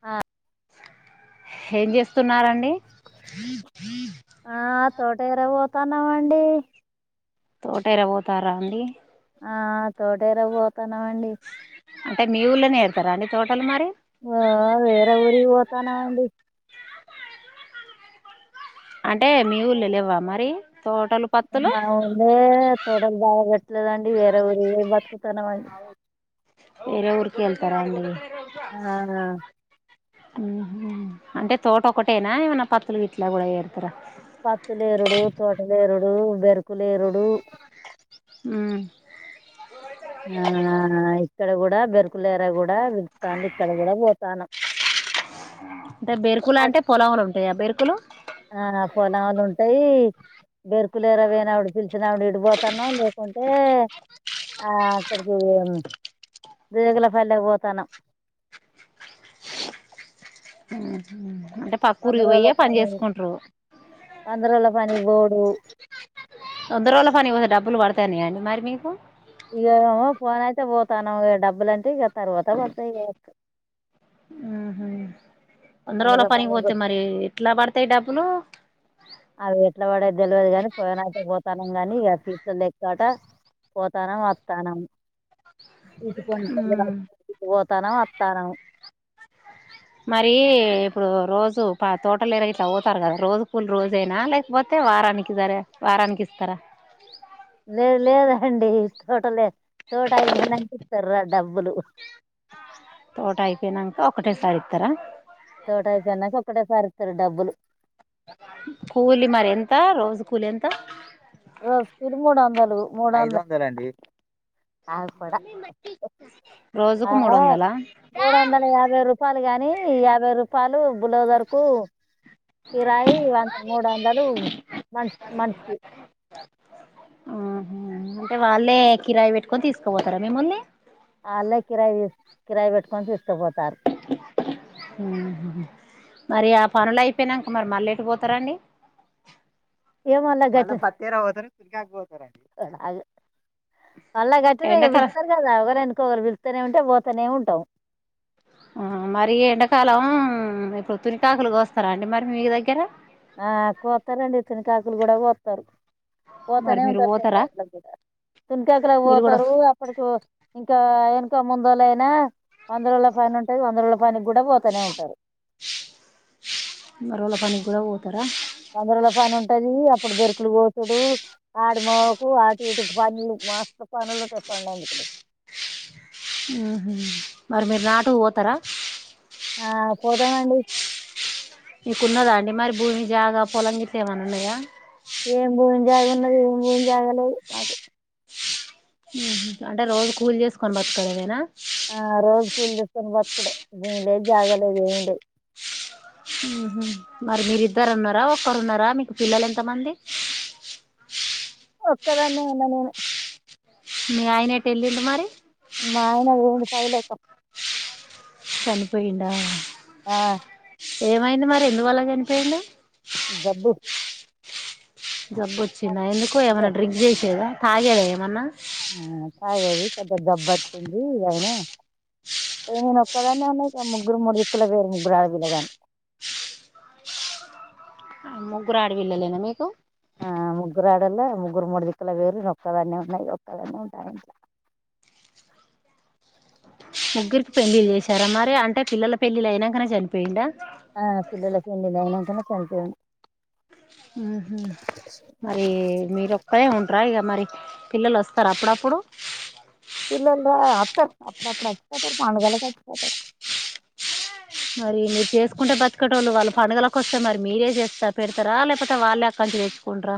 ఆ హే మీ చేస్తు స్తున్నారండి తేరా పోతున్నాం అండి తోట తెరపోతున్నార అండి ఆ తోట తేరా పోతున్నామండీ అంటే మీ ఊళ్ళనే చేస్తారా అండి తోటలు మరి ఆ వేర ఊరికి పోతున్నామండీ అంటే మీ ఊళ్లో లేవా మరి తోటలు పత్తులు [unintelligible] లేదండి వేరే ఊరికి పోయి బతుకుతున్నామండి వేరే ఊరుకి వెళ్తారా అండి అవున మ్మ్ అంటే తోట ఒకటేనా ఏమన్నా పత్తులు గిట్ల పొయేర్ పత్తు లేరుడు తోట లేరుడు ఏవ్వరుండరు కులేరుడు [inaudible] ఇక్కడ కూడా బేరుక్ కులేరా కూడా పిలుత్తాంది ఇక్కడ కూడా పోతాన్నం హలో [unintelligible] బెరుకుల యాడ్ పొయినా పిలు పిలిచినప్పుడు ఇటు పోతున్నాం లేకుంటే ఆ అక్కడకు రేగుల పల్లెకు పోతాన్నం ఉహు అంటే పక్క ఊరికి రోజుల పోయే పని చేసుకుంట్రు పని బో ఉద్దా రోళ్ళా పనికి పోయి డబ్బులు పడ తన్నయా అండి మరి మీకు ఏ మో పోను అయితే పోతున్నాం డబ్బులు అంటే ఇక ఆహా వంద రోజుల పనికి పోతే మరి ఎట్లా పడతాయి డబ్బులు అవి ఎట్లా పడేది తెలియదు గానీ పోయినాక పోతానం కాని అ [unintelligible] [unintelligible] పోతాన్నం వత్తాన్నం ఉమ్ [unintelligible] వొత్తార అత్తార మరి ఇప్పుడు రోజు తోట లోకి ఇట్లా పోతారు కదా రోజు కూలీ రోజెనా లేకపోతే వారానికి ఒకసార వారానికి ఇస్తారా లేదు లేదండి తోట లేదు తోట అయిపొయినాంక ఇ తిర్ర డబ్బులు తోట అయిపోయినాంక ఒకటేసారి ఇత్తారా తోట అయిపోయినాంక ఒకటే సారిస్తారు డబ్బులు కూలి మరి ఎంత రోజు కూలి ఎంత రోజు కూలీ మూడు వందలు మూడు ఆగు పోడా మలీ మ [inaudible] ఆ మూడు వందల యాభై రూపాయలు గాని యాభై రూపాయలు బులౌజర్ కు కిరాయి వ మూడు వందలు మ మనిషికి అంటే వాళ్ళే కిరాయి పెట్టుకొని తీసుకుపోతారా మిమ్మల్ని అల్లే కిరాయి కిరాయి పెట్టుకొంటురు ఉమ్మ్ మరి ఆ పనులు అయిపోయినాక మరి ఎటు పోతారండి ఎం అనా గడ్డి పత్తి ఏరా పోతారు [unintelligible] పోతారు అండి అల్లకట్లనే ఇగా ఎండాకాలం పిలుస్తారు కదా ఎవరయినా ొరు పిలుత్తానే ఉంటే పోతూనే ఉంటాం ఆ మరి ఎండాకాలం ఇప్పడు తును కాకులు కోస్తారా అండి మీ దగ్గర ఆ కోతారండి తునికాకులు కూడా కొత్తరు మరి పోతూనే మీరు ఉంటారు పోతారా తునికాకులకు కూడా తునికాకులకు మీరు కూడా పోతారు అప్పటికి ఇంకా ఎనుక ముందోళ్ళ అయినా వంద రోజుల పని ఉంటది వంద రోజుల పనికి కూడా పోతూనే ఉంటారు రోల పనికి కూడా పోతారా వంద రోజుల పని ఉంటది అప్పుడు బరుకులు కోతుడు ఆడి మొగోకు ఆటు ఇటు పనులు మస్తు పనులు ఉంటాయి పనులు ఎందుకు లేవు మరి మీరు నాటు పోతారా ఆ పోతమంది మీకున్నదా అండి మరి భూమి జాగా పొలంగిట్ల ఏమనా ఉన్నాయా ఏం భూమి జాగా ఉన్నది ఏం భూమి జాగా లేదు నాకు మ్మ్ అంటే రోజు కూలి చేసుకొని బతకడమేనా ఆ రోజు కూల్ చూసుొని బతుకుడే భూమి లేదు జాగలేదు ఏమి లేదు మరి మీరిద్దరు ఉన్నారా ఒక్కరు ఉన్నారా మీకు పిల్లలు ఎంతమంది ఒక్కదాన్నే ఉన్న నేను మీ ఆయన ఎటు ఎల్లిండు మరి మా ఆయన పోయిండు పై లోకం చనిపోయిండా ఆ ఏమైంది మరి ఎందువల్ల చనిపోయిండు జబ్బు జాబ్ ఆ, వచ్చిందా ఎందుకు పెద్ద, ఏమైనా డ్రింక్ చేసేదా తాగేదా ఏమన్నా తాగేది కొద్ద జబ్బు వచ్చింది అయినా నేను ఒక్కదాన్నే ఉన్నాయి ముగ్గురు మూడు దిక్కుల పెరిగిర్రు ముగ్గురు ఆడపిల్లగాళ్ళు ముగ్గురు ఆడపిల్లలేనా మీకు ఆ ముగ్గురు ఆడోళ్ళు ముగ్గురు మూడిదిక్కలా పోయెరు నేనొక్కదాన్నే ఉన్న ఒక్కదాన్నే ఉంటా ఇగా ఆ ఇంట్ల ముగ్గురికి పెళ్లిళ్లు చేశారా మరి అంటే పిల్లల పెళ్లి అయినాకనే చనిపోయిండా ఆ పిల్లలకి ఎన్నిళ్ళు [unintelligible] ఉహ మరి మీర ఒక్కరే ఉంటరా ఇగా మరి పిల్లలు వస్తారు అప్పుడప్పుడు పిల్లలా వాతర్ అప్పుడప్పుడు వచ్చి పోతారు పండగలకు వచ్చి పోతారు మరి మీరు చేసుకుంటే బతికేటోళ్లు వాళ్ళు పడుగలకు వస్తే మరి మీరే చేస్తా పెడతారా లేకపోతే వాళ్ళే అక్కడినుంచి తెచ్చుకుంటారా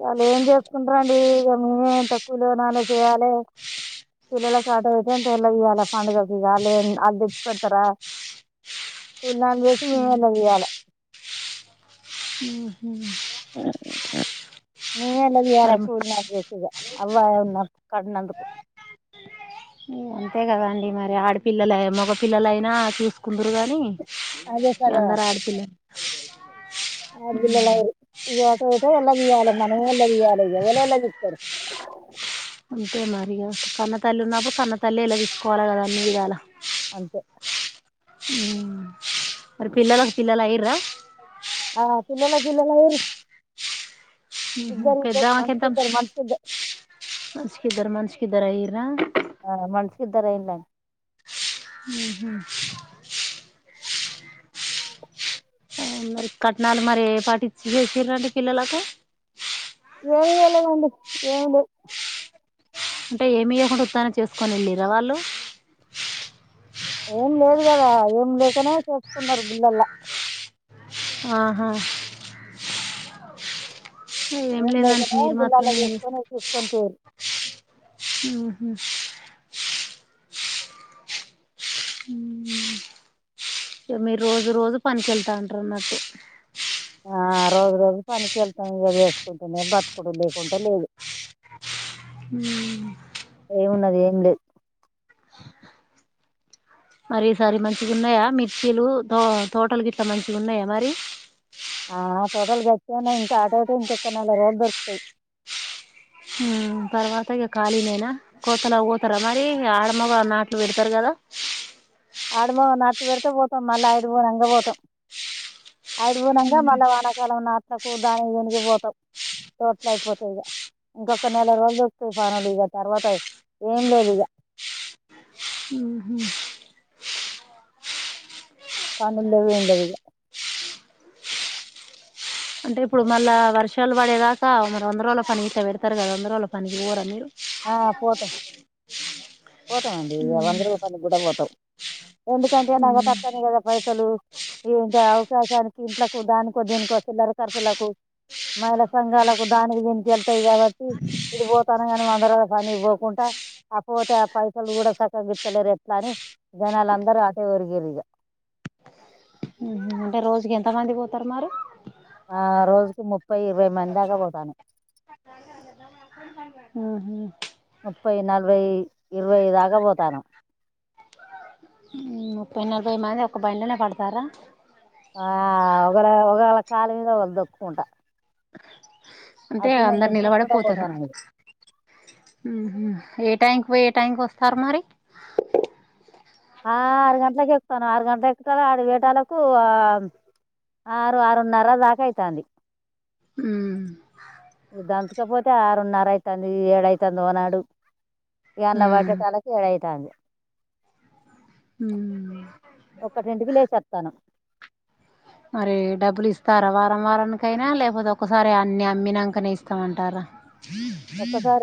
వాళ్ళు ఏం చేస్తురన్ ఇక మేమె ఇంత కూలోనాలో చేయాలే పిల్లలకు అటో ఇటో ఇంతఎలా తీయాలే పండగకు వాలే వాళ్ళు తెచ్చి పెడతారా పూర్ణలు చేసి మేమే ఎల్లదీయాల ఉమ్మ్ నేనే ఎల్ల తీయాలి మరి కూలినాలో చేసిగా వాళ్లని కన్నందుకు అంతే కాదండి మరి ఆడపిల్లలాయ్ మగపిల్లైనా చూసుకో అదేద ఆడపిల్ల ఆడులట వట ఎలా తీ్యాల మనమే ఎలా తీయాల ఎవన ఎలా నిస్తారు అంతే మరిగా కన్న తల్లి ఉన్నప్పుడు కన్న తల్లి ఇలా తీసుకోవాలి కదా అన్నిీ విడాల అంంత ఆ అ పిల్లలా పిల్లా లాయి క్క్ర ఆ తిమ్న్నమెల జిల్లలారు పెద్దవా కద్ద మనిషికి ఇద్దరు కధర మనషసుకిధర అయిరా ఆ మనసుకి ఇద్దరయిలా ఉహ మరి కట్నాలు మరి పాటించ చేసి్రండి పిల్లలకు వేవాల ఏడి ఏడి అంటే ఏమివ్వకుండా ఉత్తానం చేసుకొని వెళ్ళిరా వాళ్ళు ఏం లేదు కదా ఏం లేకనే చేసుకున్నారు బిల్లలా ఆహా ఏం లేదానికి లేకనే మీరు మాత్రం జిల్లాాల ఏం చేస్ చేసుకొని తీసుకొని తి ఊహు మీరు రోజు రోజు పనికినికి వెళ్తాంటారు నాకు ఆ రోజు రోజు పనికి వెళ్తాం ఇద చేసుకుంటేనే బ్రతకుడ లేకుంటే లేదు హ అది ఏం లేదు మరిసారి మంచిగా ఉన్నాయా మిర్చీలు తో తోటలు గిట్ట మంచిగా ఉన్నాయా మరి ఆ టోటల్ గచ్చానా ఇంకా ఆటోట ఇంకొక్క నెల రోజులు దొరుకుతాయి తర్వాత ఇ ఖాళీనైనా కోతల కోతార మరి ఆడమ నాట్లు పెడతారు కదా ఆడమ నాచ్చ పెడితే పోతాం మళ్ళీ ఆయిడిపో అంగ పోతాం ఆయడిపోనంగా ఉమ్ మళ్ళ వానాకాలం నా అంతకు దానికి దనికిపోతాం టోట్ల అయిపోతాయి ఇక ఇంకొక నెల రోజులు దొరుకుతాయి పనులు ఇక తర్వాత ఏం లేదు ఇక ఊహు కానుండ వ ఏండవగా అంటే ఇప్పుడు మళ్ళా వర్షాలు పడేదాకా వంద రోజుల పనినికిత పెడతారు కదా వంద రోజుల పనికి పోరా మీరు ఆ పోతాం పోతామండి వందల రూపాయకి కూడా పోతాం ఎందుకంటే నాగ ఉహు తతను కదా పైసలు ఏంటి అవకాశానికి ఇంట్లకు దానికో దీనికో చిల్లర ర్చలకు మహిళా సంఘాలకు దానికి దీనికి వెళ్తాయి కాబట్టి ఇడి పోతాను అందరు కానీ పోకుంటా ఆక పోతే ఆ పైసలు కూడా సక్క గత్తలేరు ఎట్లా అని జనాలు అందరూ ఆటే ఒరిగేారు ఇక అంటే రోజుకి ఎంత మంది పోతారు మరి ఆ రోజుకి ముప్పై ఇరవై మంది దాకా పోతాను ఆ ముప్పై నలభై ఇరవైఐదగ పోతను ముప్పై నలభై మంది ఒక బయలోనే పడతారా ఆ ఒక ఒకేళ కాళ మీద ఒకళ దొక్కుకుంటా అంటే అట్లనే అందరు నిల్చుని కూడా నిలబడిపోతాను పోతాను ఇక ట్యాంక్ పోయే ట్యాంక్ వస్తారు మరి ఆ ఆరు గంటలక ఎక్కుతాను ఆరు గంటల ఎక్త ఆడి వేటాలకు ఆరు ఆరున్నర దాకా అవుతుంది ఉ అైతుంది ఏడైతుందిోనాడు ఎ అల వాట ఉమ్ చాలా కేైతే తను ఒక్కటింటికి లేచేస్తాను మరి డబ్బులు ఇస్త తరవారం వారానికైనా లేకపోతే ఒకసారి అన్ని అమ్మినాకనే ఇస్తామంటారా ఒకప్పసార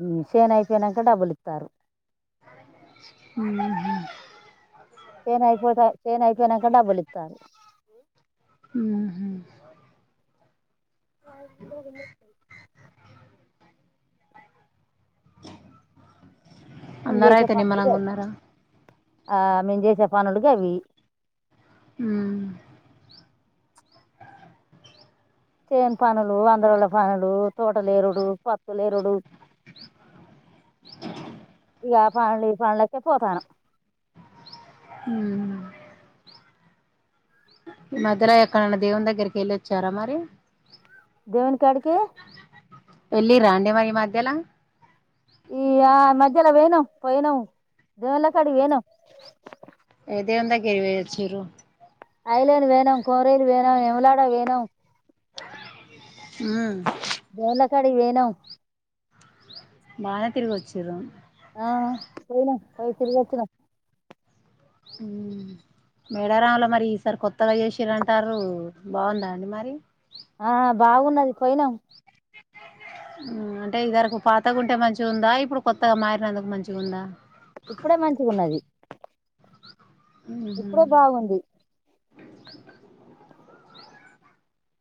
గి సేన్ అయిపోయినాక డబ్బులు ఇస్తారు మహ చైన్ అయిపోయిత చైన్ అయిపోయిన అంకం డబ్బులి ఇస్తారు ఆ ఆ మేము అందర చేసే అయితే నిమ్మనంగా పనులు ఉన్నారా ఆ మేము చేసే పనులుకి అవి అ చేన్ పనులు అందరుళ్ళ పనులు తోటలు ఎరుడు పత్తుల ఎరుడు పలు ఈ పనులకే పోతాను అ ఈ మధ్యలో ఎక్కడైన్నా దేవుని దగ్గరికి వెళ్ళిొచ్చారా మరి దేవన్ కడకి ఎళ రాండే మరి మాధ్యలా ఈ ఆ మధ్యలో వేన పోయిన దేల కాడి వేన ఏదేందా కేరివచ్చరు ఐలాం వనం కోరైలు వనం ఎమలాడ వణం ఉమ్ జేవులకాడి వేణ బానతిరుగి వచ్చర ఆ పోయినా పోయి తిరిగిచ్చిన మేడారాముంలో మరి ఈసారి కొత్తగా చేసిారంటారు బాగుందా అండి మరి ఆ బాగున్నది నావు అంటే ఇదరకు పాతగాంటే మంచి ఉందా ఇప్పుడు కొత్తగా మారినందుకు మంచిగా ఉందా ఇప్పుడే మంచిగా ఉన్నది ఉహు ఇప్పుడే బాగుంది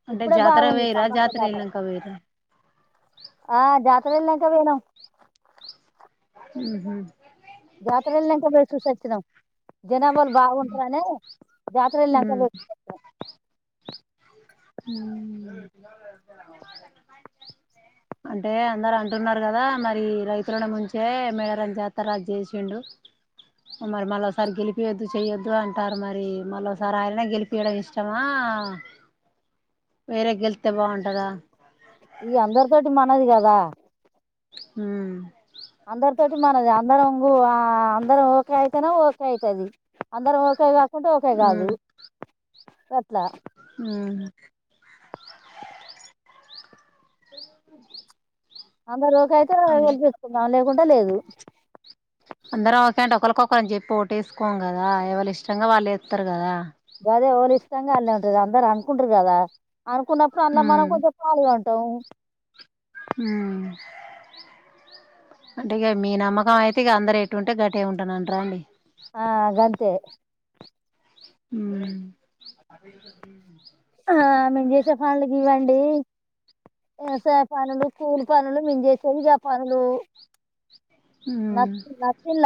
అంటే ఇప్పుడే జాతర బాగుంది వేరా సమ్మక్క జాతర వెనాక వేరా ఆ జాత్ర ఏళ్లంక పోయినాం ఉహుమ్ జాతర వెల్ నంకా పోయ్ చూసోచ్చినాం జనాబాలు బాగుంటారనే జాతర వెళ్నాన్క ఉమ్ పోయ్ సోచినం అంటే అందరు అంటున్నారు కదా మరి రైతులను ముంచే మేడారం జాతర అద్ చేసిండు మరి మళ్ళసారి గెలిపీయొద్దు చెయ్యొద్దు అంటారు మరి మళ్ళసారి ఆయనే గెలిపయడం ఇష్టమా వేరే గెళ్తే బాగుంటదా ఈ అందరి తోటి మనది కదా ఉమ్ అందరి తోటి మనది అందరంగు ఆ అందరం ఓకే అయితేనే ఓకే అయితది అందరం ఓకే గా కంటే ఒకే కాదు ఉమ్ గ ట్లా ఉమ్ అందరో అయితే అంద కెల్పిస్తున్నాం లే పోతే కుంటే లేదు అందరం ఒకేంటె ఒకరికొ ఒకలం చెప్పి ఓటేసుకోం కదా ఎవలిఇష్టంగా వాళ్ళు వేత్తరు కదా గదే ఓలి తంగా అన్నేఉంటది అందరు అనుకుంట్రు కదా అనుకున్నప్పుడు అంద మనం ఉమ్ కొెంచెమ్ పాల్గ అన్ తో ఉమ్ అంటే ఇగ మీ నమ్మకం అయితే ఇగ అందరు ఎటు ఉంటే గటె ఉంటానంట్ర అండి ఆ గంతే ఉమ్ ఆ మేం జేసే పనులకి గా అండి వ్యవసాయ పనులు కూలి పనులు మేం చేసేవి గా పనులు ఉమ్ నచ్ నచ్చిల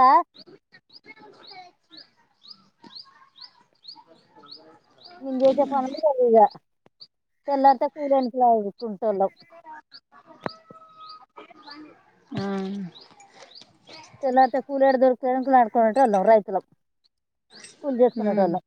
నేన్ జేసె పనులదిగా తెల్లార్తె కోలోనికి వాయ్ కుంట్ ఆ తెనుకులాడుకోలంటే అల్ రైతులమ్ కూల్ ఉమ్ చేేసుకునేటో ళ్ళమ్